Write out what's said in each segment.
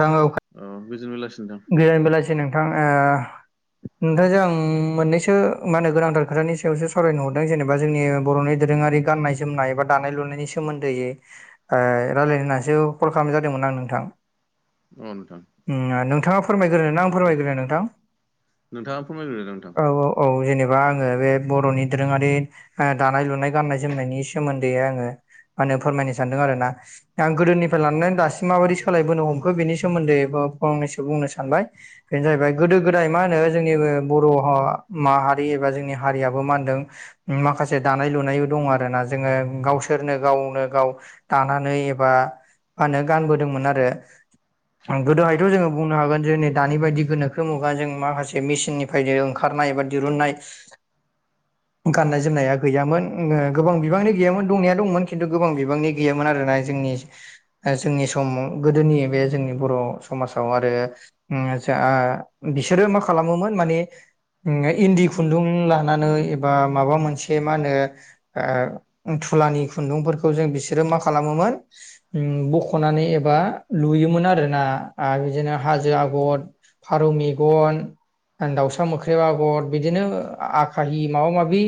औ औ गोजोन बेलासि नोंथां गोजोन बेलासे नोंथां ओ नोंथांजों आं मोननैसो मा होनो गोनांथार खोथानि सायावसो सावरायनो हरदों जेनेबा जोंनि बर'नि दोरोङारि गाननाय जोमनाय बा दानाय लुनायनि सोमोन्दै ओ रायलायनो होननानैसो कल खालामनाय जादोंमोन आं नोंथां अ नोंथां उम नोंथाङा फोरमायग्रोना आं फोरमायग्रो नोंथां नोंथाङा फोरमायग्रोदो नोंथां। औ औ औ जेनेबा आङो बे बर'नि दोरोङारि ओ दानाय लुनाय गान्नाय जोमनायनि सोमोन्दै आङो मा होनो फोरमायनो सानदों आरोना आं गोदोनिफ्राय लानानै दासिम माबायदि सोलाय बोनो हमखो बिनि सोमोन्दै फंनैसो बुंनो सानबाय बेनो जाहैबाय गोदो गोदाय मा होनो जोंनि बर' माहारि एबा जोंनि हारियाबो मान होनदों माखासे दानाय लुनायबो दं आरोना जोङो गावसोरनो गावनो गाव दानानै एबा मा होनो गानबोदोंमोन आरो गोदोहायथ' जोङो बुंनो हागोन जों नै दानि बायदि गोनोखो मुगानि जों माखासे मेसिननि बायदिनो ओंखारनाय एबा दिरुननाय गाननाय जोमनाया गैयामोन उम गोबां बिबांनि गैयामोन दंनाया दंमोन खिन्थु गोबां बिबांनि गैयामोन आरोना जोंनि जोंनि सम गोदोनि बे जोंनि बर' समाजाव आरो उम जा आ बिसोरो मा खालामोमोन माने इन्दि खुन्दुं लानानै एबा माबा मोनसे मा होनो ओ थुलानि खुन्दुंफोरखौ जों बिसोरो मा खालामो मोन उम बख'नानै एबा लुयोमोन आरोना आरो बिदिनो हाजो आगर फारौ मेगन दाउसा मोख्रेब आगर बिदिनो आखा हि माबा माबि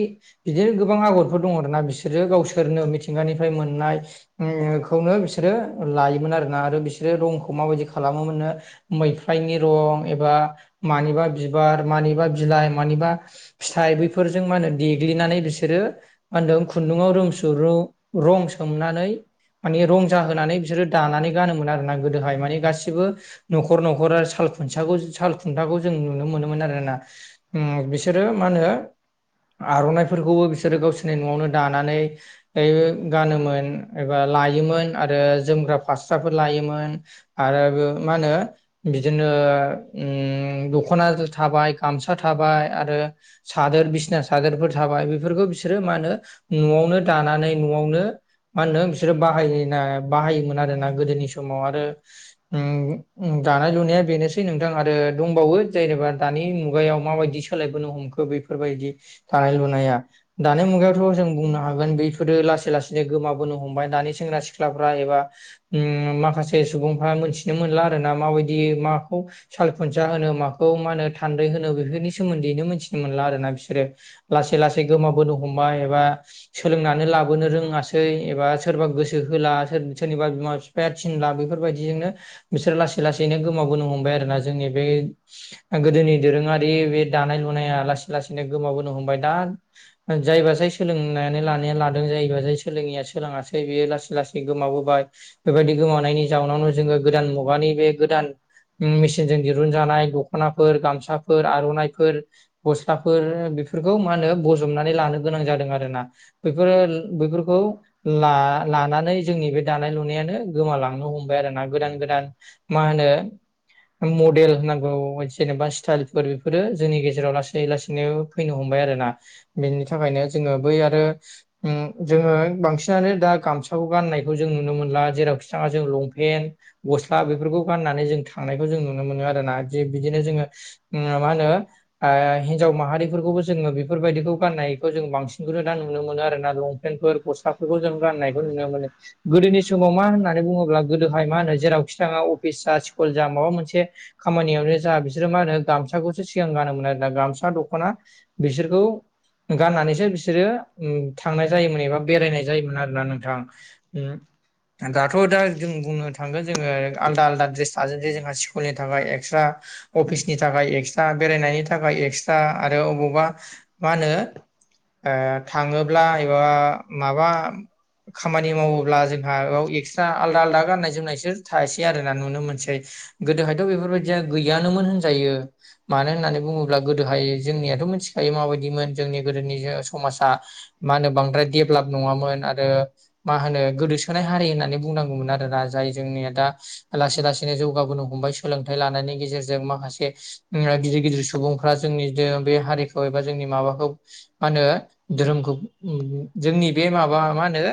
बिदिनो गोबां आगरफोर दङ आरोना बिसोरो गावसोरनो मिथिंगानिफ्राय मोननाय खौनो बिसोरो लायोमोन आरोना आरो बिसोरो रंखौ माबायदि खालामोमोननो मैफ्रायनि रं एबा मानिबा बिबार मानिबा बिलाइ मानिबा फिथाइ बैफोरजों मा होनो देग्लिनानै बिसोरो मा होनदों खुन्दुाव रों रं सोमनानै माने रं जाहोनानै बिसोरो दानानै गानोमोन आरोना गोदोहाय माने गासिबो न'खर न'खरा साल खुन्साखौ साल खुन्थाखौ जों नुनो मोनोमोन आरोना उम बिसोरो मा होनो आर'नाइफोरखौबो बिसोरो गावसोरनि न'आवनो दानानै ओ गानोमोन एबा लायोमोन आरो जोमग्रा पास स्राफोर लायोमोन आरो मा होनो बिदिनो उम दखना थाबाय गामसा थाबाय आरो सादोर बिसिना सा दोरफोर थाबाय बेफोरखौ बिसोरो मा होनो न'आवनो दानानै न'आवनो मा होनदों बिसोरो बाहाय बाहायोमोन आरोना गोदोनि समाव आरो उम उम दानाय लुनाया बेनोसै नोंथां आरो दंबावो जेनेबा दानि मुगायाव माबायदि सोलायबोनो हमखो बेफोरबायदि दानाय लुनाया दानि मुगायावथ' जों बुंनो हागोन बेफोरो लासै लासैनो गोमाबोनो हमबाय दानि सेंग्रा सि सिख्लाफ्रा एबा उम माखासे सुबुंफ्रा मोनथिनो मोनला आरोना माबायदि माखौ सालखुनथिया होनो मा खौ मा होनो थान्दै होनो बेफोरनि सोमोन्दैनो मिथिनो मोनला आरोना बिसोरो लासै लासै गोमाबोनो हमबाय एबा सोलोंनानै लाबोनो रोङासै एबा सोरबा गोसो होला सोर सोरनिबा बिमा बिफाया थिनला बेफोरबायदिजोंनो बिसोरो लासै लासैनो गोमाबोनो हमबाय आरोना जोंनि बे गोदोनि दोरोङारि बे दानाय लुनाया लासै लासैनो गोमाबोनो हमबाय दा जायबा जाय सोलोंनानै लानाया लादों जायबा जाय सोलोंया सोलोङासै बेयो लासै लासै गोमाबोबाय बेबायदि गोमानायनि जाउनावनो जोङो गोदान मुगानि बे गोदान मेसिनजों दिरुन जानाय दख'नाफोर गामसाफोर आर'नाफोर गस्लाफोर बेफोर बेफोरखौ मा होनो बजबनानै लानो गोनां जादों आरोना बैफोरो बैफोरखौ ला लानानै जोंनि बे दानाय लुनायानो गोमालांनो हमबाय आरो ना गोदान गोदान मा होनो मडेल होनांगौ जेनेबा स्टाइलफोर बेफोरो जोंनि गेजेराव लासै लासैनो फैनो हमबाय आरोना बिनि थाखायनो जोङो बै आरो ओम जोङो बांसिनानो दा गा साखौ गान्नायखौ जों नुनो मोनला जेरावखि थां स्ला जों लंपेन्ट गस्ला बेफोरखौ गाननानै जों थांनायखौ जों नुनो मोनो आरोना जों बिदिनो जोङो ओ मा होनो ओ हिनजाव माहारिफोरखौ जोंङो बेफोरबादिखौ गाननाय खौ बांसिन खौनो दा नुनो मोनो आरो ना लंफेनफोर ग फिसाफोरखौ जों गाननायखौ नुनो मोनो गोदोनि समाव मा होननानै होननानै बुङोब्ला गोदोहाय मा होनो जेरावखि थाङा अफिस जा स्कुल जा माबा मोनसे खामानियावनो जा बिसोरो मा होनो गामसाखौसो सिगां गानोम आरोना गामसा दख'ना बिसोरखौ गाननानैसो बिसोरो थांनाय जायोमोन एबा बेरायनाय जायोमोन आरोना नोंथां गार थ' दा जों बुंनो थांगोन जोङो आलदा आलादा दड्रेस थाजोंसै जोंहा स्कुलनि थाखाय एक्सट्रा अफिसनि थाखाय एक्सट्रा बेरायनायनि थाखाय एक्सट्रा आरो अबावबा मा होनो ओ थाङोब्ला एबा माबा खामानि मावोब्ला जोंहा बेयाव ए आलदा आलादा गाननाय जोमनायसो थासै आरो ना नुनो मोनसै गोदोहायथ' बेफोरबायदिया गैयानोमोन होनजायो मानो होननानै बुङोब्ला गोदोहाय जोंनियाथ' मिथिखायो माबायदिमोन जोंनि गोदोनि जो समाजा मा होनो बांद्राय देभलप नङामोन आरो मा होनो गोदोसोनाय हारि होननानै बुंनांगौमोन आरोना जाय जोंनिया दा लासै लासैनो जौगाबोनो हमबाय सोलोंथाइ लानायनि गेजेरजों माखासे ओ गिदिर गिदिर सुबुंफ्रा जोंनि बे हारिखौ एबा जोंनि माबाखौ मा होनो धोरोमखौ जोंनि बे माबा मा होनो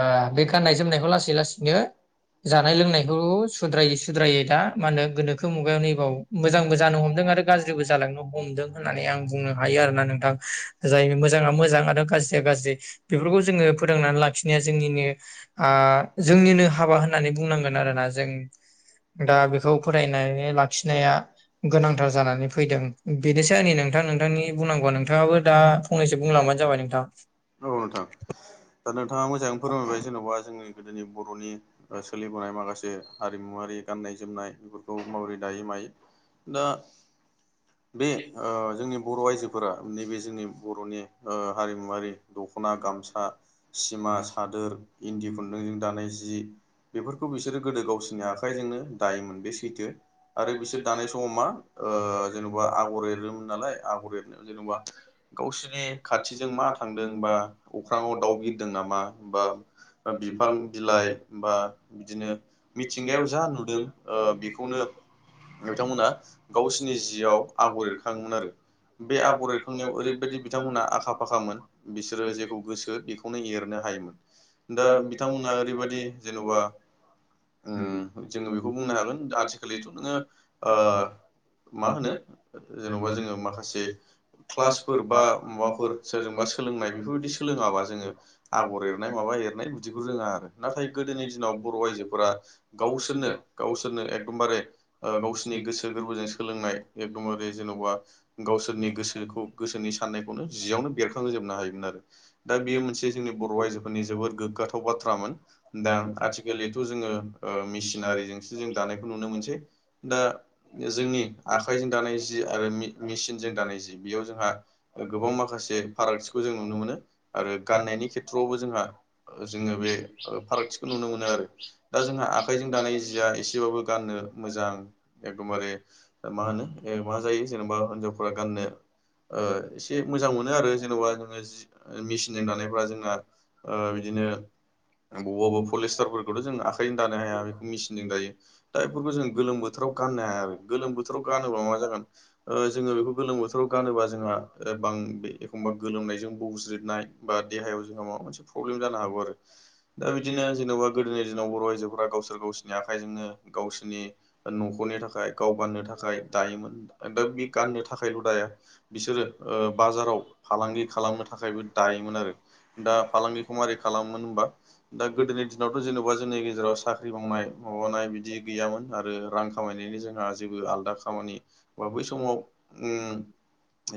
ओ बे गाननाय जोमनायखौ लासै लासैनो जानाय लोंनायखौ' सुद्रायै सुद्रायै दा मा होनो गोनोखो मुगायाव नैबाव मोजांबो जानो हमदों आरो गाज्रिबो जालांनो हमदों होननानै आं बुंनो हायो आरो ना नोंथां जायो मोजांङा मोजां आरो गाज्रिया गाज्रि बेफोरखौ जोङो फोथांनानै लाखिनो जोंनिनो ओ जोंनिनो हाबा होननानै बुंनांगोन आरोना जों दा बेखौ फोथायनानै लाखिनाया गोनांथार जानानै फैदों बेनोसैै आंनि नोंथां नोंथांनि बुंनांगौआ नोंथाङाबो दा फंनैसो बुंलबानो जाबाय नोंथां औ नोंथां दा नोंथाङा मोजाङैनो फोरमायबाय जेन'बा जोंनि गोदोनि बर'नि ओ सोलिबोनाय माखासे हारिमुवारि गाननाय जोमनाय बेफोरखौ माबोरै दायो मायो दा बे ओ जोंनि बर' आइजोफोरा नैबे जोंनि बर'नि हारिमुवारि दख'ना गामसा सिमा सादोर इन्दि खुन्दुंजों दानाय जि बेफोरखौ बिसोरो गोदो गावसोरनि आखाइजोंनो दायोमोन बे सैथो आरो बिसोर दानाय समाव मा ओ जेन'बा आगर एरोमोन नालाय आगर एर जेनेबा गावसोरनि खाथिजों मा थां बा अख्रांआव दाउ बिरदों नामा बा बिफां बिलाइ बा बिदिनो मिथिंगायाव जा नुदों ओ बिखौनो बिथांमोना गावसिनि जिआव आगर एरखांङोमोन आरो। बे आगर एरखांनायाव ओरैबायदि बिथांमोनहा आखा फाखामोन। बिसोरो जेखौ गोसो बेखौनो एरनो हायोमोन दा बिथांमोनहा ओरैबायदि जेन'बा उम औ। जोङो बेखौ बुंनो हागोन आजिखालिथ' नोङो ओ मा होनो जेनेबा जोङो माखासे क्लासफोर बा माबाफोर सोरजोंबा सोलोंनाय बेफोरबायदि सोलोङाबा जोङो आगर एरनाय माबा एरनाय बिदिखौ रोङा आरो नाथाय गोदोनि दिनाव बर' आइजो फोरा गावस सोरनो गावसोरनो एकदमबारे ओ गावसोरनि गोसो गोरबोजों सोलोंनाय एकदमबारे जेनबा गावसोरनि गोसोखौ गोसोनि साननायखौनो जियावनो बेरखांहोजोबनो हायोमोन आरो। दा बेयो मोनसे जोंनि बर' आइजोफोरनि जोबोर गोग्गाथाव बाथ्रामोन दा आथिखालिथ जोङो ओ मिस नारिजोंसो जों दानायखौ नुनो मोनसै दा जोंनि आखाइजों दानाय जि आरो मि मिसिनजों दानाय जि बेयाव जोंहा गोबां माखासे फारागथि खौ जों नुनो मोनो आरो गान्नायनि खेथ्रआवबो जोंहा जोङो बे ओ फारागथिखौ नुनो मोनो आरो दा जोंहा आखाय जों दानाय जिया एसेबाबो गाननो मोजां एखदबारे मा होनो ओ मा जायो जेनेबा हिनजावफोरा गाननो ओ एसे मोजां मोनो आरो जेनेबा ओ जि मिसिनजों दानायफोरा जोंहा ओ बिदिनो बबा बबा पलेस्टारफोरखौथ जों आखाइजों दानो हाया मेचिनजों दायो दा एफोरखौ जों गोलोम बोथोराव गाननो हाया आरो गोलोम बोथोराव गानोब्ला मा जागोन ओ जोङो बेखौ गोलोम बोथोराव गानोबा जोंहा ओ बां बे एखमबा गोलोम फाय जों बौज्रिदनाय बा देहायाव जोंहा माबा मोनसे प्रब्लेम जानो हागौ आरो दा बिदिनो जेनबा गोदोनि दिनाव बर' आइजोफोरा गावस गावसिनि आखाइजोंनो गावसिनि न'खरनि थाखाय गाव गाननो थाखाय दायोमोन। दा बि गाननो थाखायल दाया बिसोरो ओ बाजाराव फालांगि खा खालामनो थाखायबो दायोमोन आरो। दा फालांगिखौ माबारै खालामोन होनबा दा गोदोनि दिनावथ जेनेबा जोंनि गेजेराव सोमावनाय माबानाय बिदि गैयामोन आरो रां खामायनायनि जोंहा जेबो आलादा खामानि बा बै समाव उम्म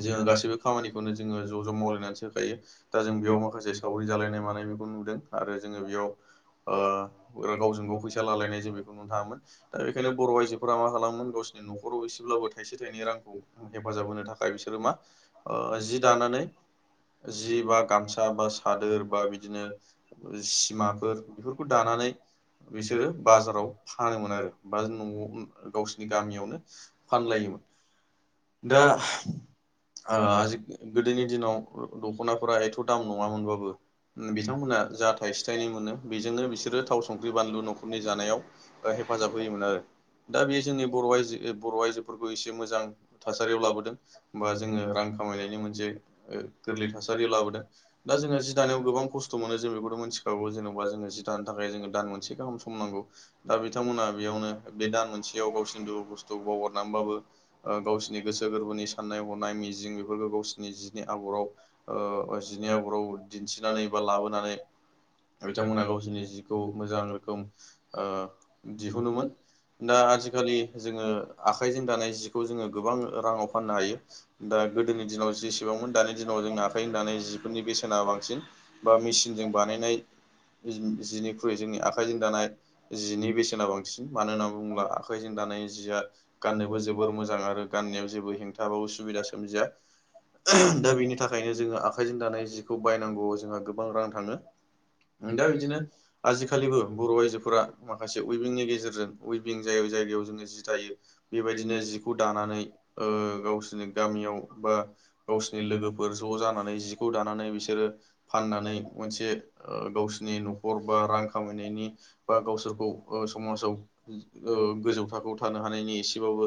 जोङो गाैसैबो खामानिखौनो जोङो ज खौ जों मावलायनानैसो होखायो दा जों बेयाव माखासे सावरि जालायनाय मानाय बेखौ नुदों आरो जोङो बेयाव ओ गावजों गाव फैसा लालायनाय जे बेखौ नुनो थाङामोन दा बेखायनो बर' आइजोफोरा मा खालामोमोन गावनि नख खराव एसेब्लाबो थाइसे थाइनै रांखौ हेफाजाब होनो थाखाय बिसोरो मा ओ जि दानानै जि बा गामसा बा सादोर बा बिदिनो सिमाफोर बेफोरखौ दानानै बिसोरो बाजाराव फानोमोन आरो बा न'आव गावसिनि गामियावनो फानलायोमोन। दा आ जिख गोदोनि दिनाव दखनाफोरा एथ दाम नङामोनबाबो ओ बिथांमोना जा थाइसे थाइनै मोनो बेजोंनो बिसोरो थाव संख्रि ख्रि बानलु न'खरनि जानायाव हेफाजाब होयोमोन आरो। दा बेयो जोंनि बर' आइजो ओ बर' आइजोफोरखौ एसे मोजां थासारियाव लाबोदों। बा जोङो रां खामायनायनि मोनसे ओ गोरलै थासारि लाबोदों दा जोङो जि दानायाव गोबां खस स्थ मोनो जों बेखौथ मोनथिखागौ जेनबा जोङो जि दानो थाखाय जोङो दान मोनसे गाहाम सम नांगौ। दा बिथांमोनहा बेयावनो बे दान मोनसेयाव गावसिनो दुखु बुस्थुखौ बावगारनानैबाबो ओ गावसिनि गोसो गोरबोनि साननाय हनाय मिजिं बेफोरखौ गावसिनि जिनि आगराव ओ ओ जिनि आगराव दिन्थिनानै बा लाबोनानै बिथांमोना गावसिनि जि खौ मोजां रोखोम ओ दिहुनोमोन। दा आजिखालि जोङो आखाइजों दानाय जिखौ जोङो गोबां राङाव फाननो हायो। दा गोदोनि दिनाव जेसेबांमोन दानि दिनाव जोंना आखाइजों दानाय जिफोरनि बेसेना बांसिन। बा मेसिनजों बानायनाय जिनि ख्रुय जोंनि आखाइजों दानाय जिनि बेसेना बांसिन मानो होननानै बुङोब्ला आखाइजों दानाय जिया गाननोबो जोबोर मोजां आरो गाननायाव जेबो हेंथाबाबो उसुबिदा सोमजिया। दा बेनि थाखायनो जोङो आखाइजों दानाय जिखौ बायनांगौआव जोंहा गोबां रां थाङो। ओ दा बिदिनो आजिखालिबो बर आइजोफोरा माखासे उइभिंनि गेजेरजों उइभिं जाय जायगायाव जोङो जि दायो। बेबायदिनो जिखौ दानानै ओ गावसो नि गामियाव बा गावसिनि लोगोफोर ज जानानै जिखौ दानानै बिसोरो फाननानै मोनसे ओ गावसिनि न'खर बा रां खामायनायनि बा गावसोरखौ ओ समाजाव ओ गोजौ थाखोआव थानो हानायनि एसेबाबो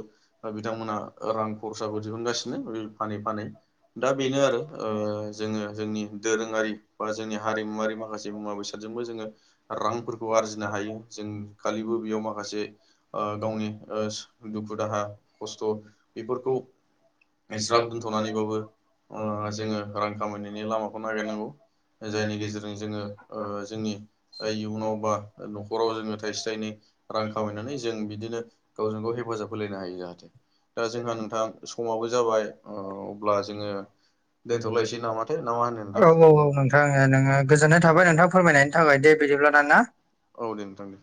बिथांमोना रां खरसाबो दिहुन गासिनो बे फानै फानै। दा बेनो आरो ओ जोङो जोंनि दोरोङारि बा जोंनि हारिमुवारि माखासे मुवा बेसाद फोरजोंबो जोङो रांफोरखौ आरजिनो हायो जों खालिबो बेयाव माखासे ओ गावनि ओ दुखु दाहा खस्थ' बेफोरखौ [inaudible] ज्राब दोन्थ'नानैबाबो ओ जोङो रां खामायनायनि लामाखौ नागिरनांगौ। जायनि गेजेरजों जोङो ओ जोंनि ओ इयुनाव बा न'खराव जोङो थायसे थायनै रां खामायनानै जों बिदिनो गावजों गाव हेफाजाब होलायनो हायो जाहाथे। दा जोंहा नोंथां समाबो जाबाय अब्ला जोङो औ औ औ दोनथ'लायसै नामाथाय ना मा होनो नोंथां नों ओ नोङो गोजोन्नाय थाबाय नोंथां फोरमनायनि थाखाय दे बिदिब्लाना ना। औ दे नोंथां। दे